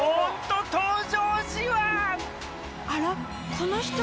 あら？